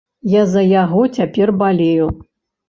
Я за яго цяпер балею.